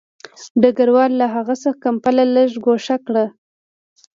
ډګروال له هغه څخه کمپله لږ ګوښه کړه